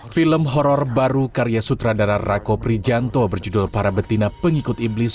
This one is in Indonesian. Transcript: film horror baru karya sutradara rako prijanto berjudul para betina pengikut iblis